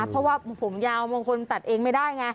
เพราะว่าผมยาวบางคนตัดเองไม่ได้ไง